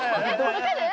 分かる？